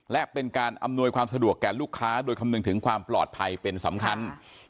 และเป็นการอำนวยความสะดวกแก่ลูกค้าโดยคำนึงถึงความปลอดภัยเป็นสำคัญ